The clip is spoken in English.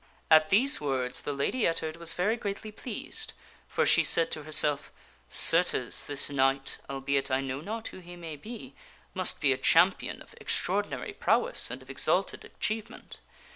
At these words the Lady Ettard was very greatly pleased, for she said to herself, " Certes, this knight (albeit I know not who he may be) must be a champion of extraordinary prowess and of exalted achievement.